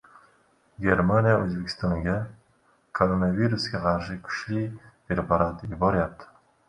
Germaniya O‘zbekistonga koronavirusga qarshi kuchli preparat yuboryapti